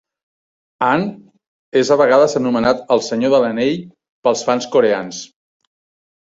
Ahn és a vegades anomenat "el Senyor de l'Anell" pels fans coreans.